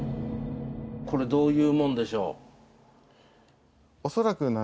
これどういうもんでしょう？